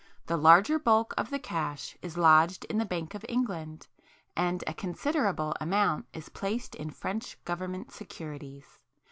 The larger bulk of the cash is lodged in the Bank of England, and a considerable amount is placed in French government securities.